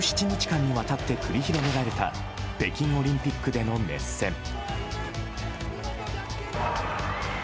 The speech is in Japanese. １７日間にわたって繰り広げられた北京オリンピックでの熱戦。